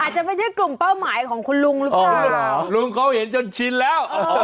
อาจจะไม่ใช่กลุ่มเป้าหมายของคุณลุงหรือเปล่าลุงเขาเห็นจนชินแล้ว